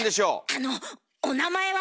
あのお名前は？